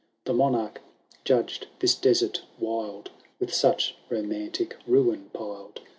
The Monarch judged this desert wild, . With such romantic ruin piled.